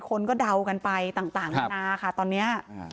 คนก็เดากันไปต่างนานาค่ะตอนนี้